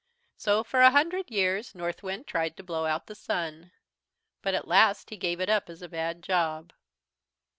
"So, for a hundred years, Northwind tried to blow out the Sun. But at last he gave it up as a bad job.